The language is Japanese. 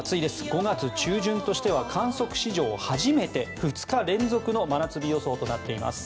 ５月中旬としては観測史上初めて２日連続の真夏日予想となっています。